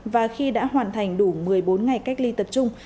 và khi đã hoàn thành đủ một mươi bốn ngày cách ly tập trung